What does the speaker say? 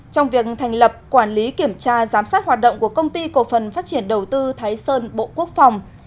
trong việc thành lập quản lý kiểm tra giám sát hoạt động của công ty cổ phần phát triển đầu tư thái sơn bộ quốc phòng